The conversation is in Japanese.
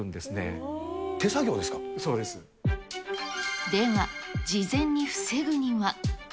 では、事前に防ぐには。